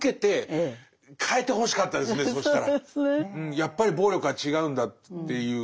やっぱり暴力は違うんだっていう。